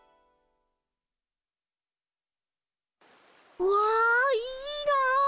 うわいいな。